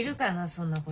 そんなこと。